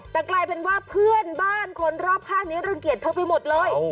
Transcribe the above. แต่กลายเป็นว่าเพื่อนบ้านคนรอบข้างนี้รังเกียจเธอไปหมดเลย